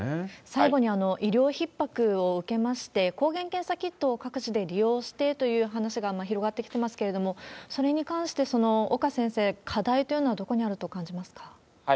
最後に医療ひっ迫を受けまして、抗原検査キットを各自で利用してという話が広がってきていますけれども、それに関して、岡先生、課題というのはどこにあると感じますか。